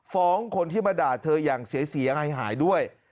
ฟ้องคนที่มาด่าเธอยังเสียเสียงให้หายด้วย